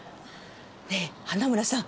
ねえ花村さん